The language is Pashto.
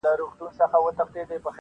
o هغه لږ خبري کوي تل,